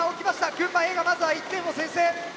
群馬Ａがまずは１点を先制。